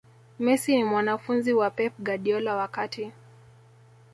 messi ni mwanafunzi wa pep guardiola wakati